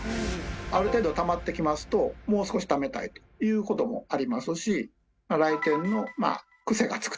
ある程度たまってきますともう少しためたいということもありますし来店の癖がつくと。